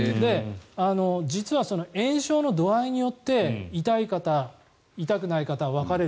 実は炎症の度合いによって痛い方、痛くない方、分かれる。